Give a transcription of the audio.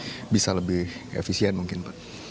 supaya bisa lebih efisien mungkin pak